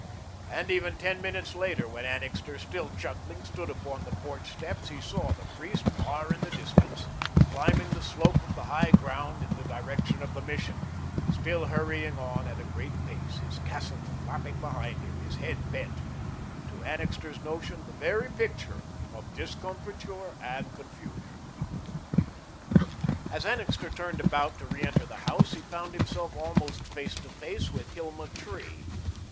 And even ten minutes later, when Annixter, still chuckling, stood upon the porch steps, he saw the priest, far in the distance, climbing the slope of the high ground, in the direction of the Mission, still hurrying on at a great pace, his cassock flapping behind him, his head bent; to Annixter's notion the very picture of discomfiture and confusion. As Annixter turned about to reenter the house, he found himself almost face to face with Hilma Tree.